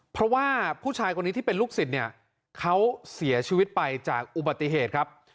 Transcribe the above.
เพราะว่าผู้ชายคนนี้ที่เป็นลูกศิษย์เนี่ยเขาเสียชีวิตไปจากอุบัติเหตุครับ